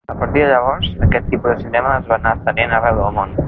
A partir de llavors, aquest tipus de cinema es va anar estenent arreu del món.